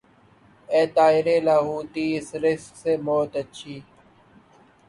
اے طائر لاہوتی اس رزق سے موت اچھی